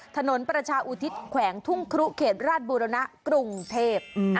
ถนนประชาอุทิศแขวงทุ่งครุเขตราชบุรณะกรุงเทพ